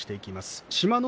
志摩ノ